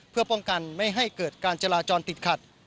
เพื่อป้องกันไม่ให้เกิดการจราจรติดขัด